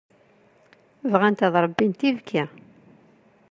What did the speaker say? Bɣant ad ṛebbint ibekki.